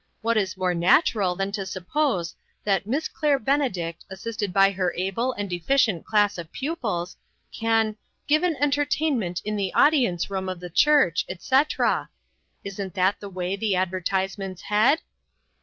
What is more natural than to sup pose that 'Miss Claire Benedict, assisted by V her able and efficient class of pupils,' can ' give an entertainment in the audience room 1 82 INTERRUPTED. of the church,' etc? Isn't that the way the advertisements head